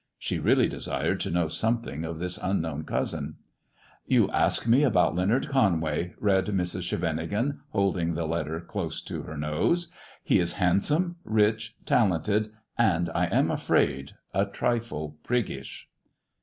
She really desired to know something of this unknown cousin. "*You ask me about Leonard Conway,'" read Mrs. Scheveningen, holding the letter close to her nose ;"* he is handsome, rich, talented, and, I am afraid, a trifle priggish.'